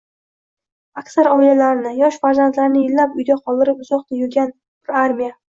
aksar oilalarini, yosh farzandlarini yillab uyda qoldirib uzoqda yurgan bir armiya